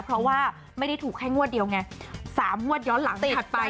เพราะว่าไม่ได้ถูกแค่งวดเดียวไง๓งวดย้อนหลังถัดไป